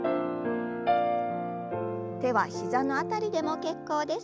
手は膝の辺りでも結構です。